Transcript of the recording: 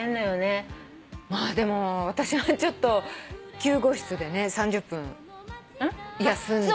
でも私はちょっと救護室でね３０分休んだよ。